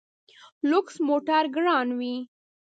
لوکس موټر ګران وي.